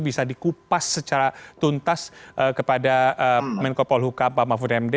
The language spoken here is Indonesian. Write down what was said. bisa dikupas secara tuntas kepada menko polhuka pak mahfud md